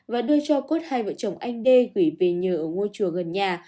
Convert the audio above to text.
và đưa cho cốt hai vợ chồng anh đê gửi về nhờ ở ngôi chùa gần nhà